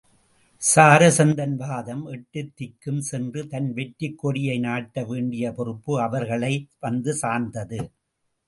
சராசந்தன் வதம் எட்டுத் திக்கும் சென்று தன் வெற்றிக் கொடியை நாட்ட வேண்டிய பொறுப்பு அவர்களை வந்து சார்ந்தது.